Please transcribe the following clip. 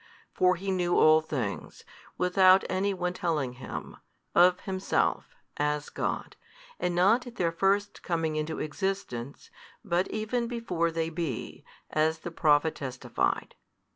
For He knew all things, without any one telling Him, of Himself, as God, and not at their first coming into existence, but even before they be, as the prophet testified.